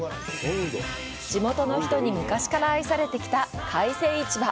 地元の人に昔から愛されてきた海鮮市場。